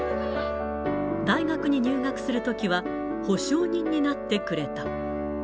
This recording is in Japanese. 大学に入学するときは保証人になってくれた。